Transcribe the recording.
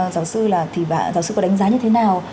giáo sư có đánh giá như thế nào